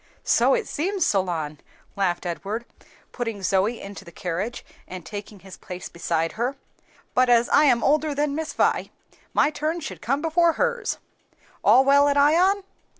"So it seems, Solon," laughed Edward, putting Zoe into the carriage and taking his place beside her, "but as I am older than Miss Vi, my turn should come before hers. All well at Ion?"